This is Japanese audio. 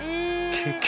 結局。